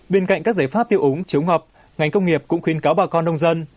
bên cạnh các giải pháp tiêu ống chủng hợp ngành công nghiệp cũng khuyên cáo bà con đông dân